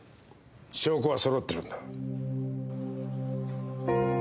証拠は揃ってるんだ。